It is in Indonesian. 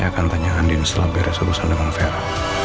saya akan tanyakan anding setelah beres urusan dengan vera